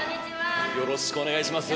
よろしくお願いします。